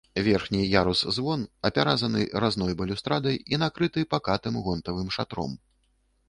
Верхні ярус-звон апяразаны разной балюстрадай і накрыты пакатым гонтавым шатром.